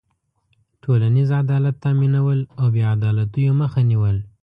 ټولنیز عدالت تأمینول او بېعدالتيو مخه نېول.